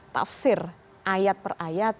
tafsir ayat per ayat